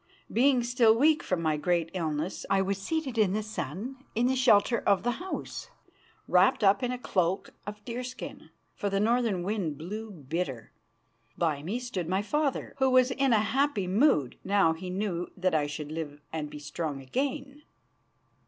Being still weak from my great illness, I was seated in the sun in the shelter of the house, wrapped up in a cloak of deerskins for the northern wind blew bitter. By me stood my father, who was in a happy mood now he knew that I should live and be strong again.